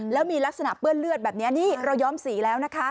แล้วมีลักษณะเปื้อนเลือดแบบนี้นี่เราย้อมสีแล้วนะคะ